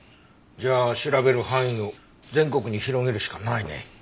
じゃあ調べる範囲を全国に広げるしかないね。